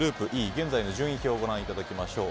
現在の順位表をご覧いただきましょう。